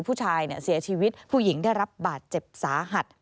ผู้เสียชีวิตผู้หญิงได้รับบาดเจ็บสาหัส